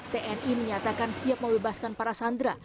tni menyatakan siap membebaskan para sandera